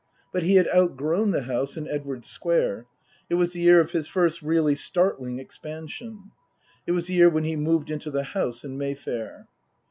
But he had outgrown the house in Edwardes Square. It was the year of his first really startling expansion. It was the year when he moved into the house in Mayfair.